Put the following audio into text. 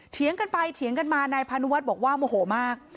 เถียงกันไปเถียงกันมานายพานุวัฒน์บอกว่าโมโหมาก